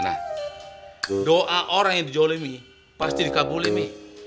nah doa orang yang dijolimi pasti dikabuli mi